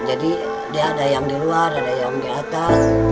jadi dia ada yang di luar ada yang di atas